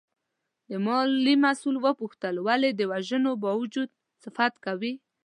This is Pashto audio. د مالیې مسوول وپوښتل ولې د وژنو باوجود صفت کوې؟